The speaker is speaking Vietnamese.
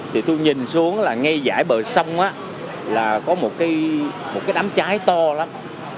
thì tôi nhìn xuống là ngay dải bờ sông là có một cái đám trái to lắm